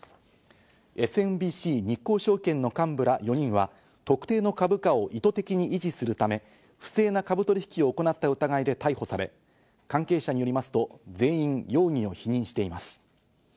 ＳＭＢＣ日興証券の幹部ら４人は特定の株価を意図的に維持するため不正な株取引を行った疑いで逮捕され、関係者によりますと全員容疑を否認しています。